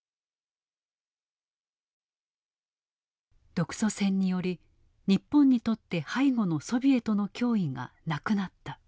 独ソ戦により日本にとって背後のソビエトの脅威がなくなった。